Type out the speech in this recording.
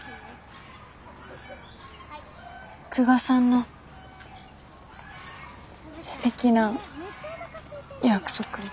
久我さんのすてきな約束も。